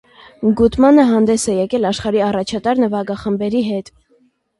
Գուտմանը հանդես է եկել աշխարհի առաջատար նվագախմբերի հետ։